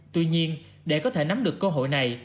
tuy nhiên để có thể nắm được cơ hội này